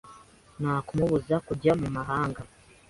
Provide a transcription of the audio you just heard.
Nta kumubuza kujya mu mahanga.